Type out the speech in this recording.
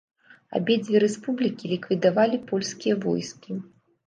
Абедзве рэспублікі ліквідавалі польскія войскі.